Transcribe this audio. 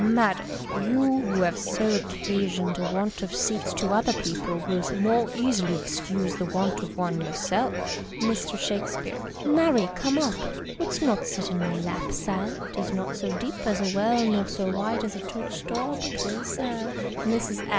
— Madam, you wlio have so often occasioned a want of seats to other people, will the more easily excuse the want of one yourself. Mr. Shakespeaue. — Marry come up ! ANOuldst not sit in my lajj, Sal? 'Tis not so deep as a well nor so wide as a church door, but 'twill serve. Mrs.